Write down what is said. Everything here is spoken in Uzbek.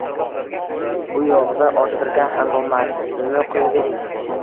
Bu yog`ida orttirgan hangomasini qo`yavering